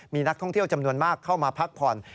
มีนักท่องเที่ยวจำนวนมากเข้ามาพักผ่อน